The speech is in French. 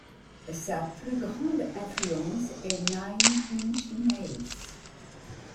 Sa plus grande influence est Nine Inch Nails.